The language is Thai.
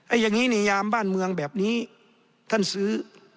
อย่างนี้ในยามบ้านเมืองแบบนี้ท่านซื้อ